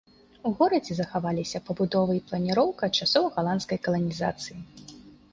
У горадзе захаваліся пабудовы і планіроўка часоў галандскай каланізацыі.